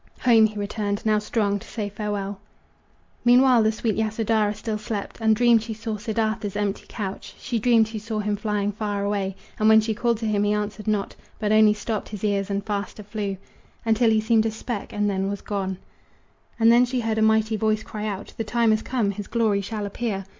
Home he returned, now strong to say farewell. Meanwhile the sweet Yasodhara still slept, And dreamed she saw Siddartha's empty couch. She dreamed she saw him flying far away, And when she called to him he answered not, But only stopped his ears and faster flew Until he seemed a speck, and then was gone. And then she heard a mighty voice cry out: "The time has come his glory shall appear!"